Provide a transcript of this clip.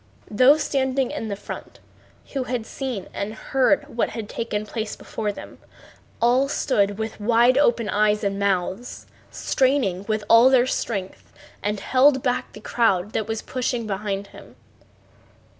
Those standing in front, who had seen and heard what had taken place before them, all stood with wide open eyes and mouths, straining with all their strength, and held back the crowd that was pushing behind them.